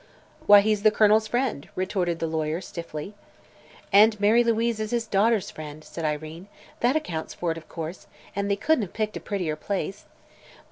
"Why, he's the Colonel's friend," retorted the lawyer, stiffly. "And Mary Louise is his daughter's friend," said Irene. "That accounts for it, of course, and they couldn't have picked a prettier place.